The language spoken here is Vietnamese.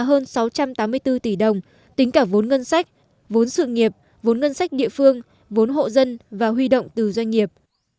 hơn sáu trăm tám mươi bốn tỷ đồng tính cả vốn ngân sách vốn sự nghiệp vốn ngân sách địa phương vốn hộ dân và huy động từ doanh nghiệp